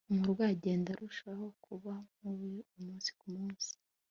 umurwayi agenda arushaho kuba mubi umunsi ku munsi